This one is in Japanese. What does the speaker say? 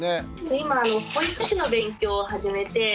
今保育士の勉強を始めて。